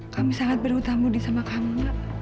kami sangat berutang budi sama kamu nak